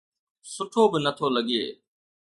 سٺو به نٿو لڳي.